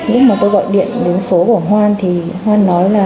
lúc mà tôi gọi điện đến số của hoan thì hoan nói là